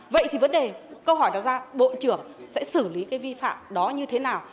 vậy thì vấn đề câu hỏi đặt ra bộ trưởng sẽ xử lý cái vi phạm đó như thế nào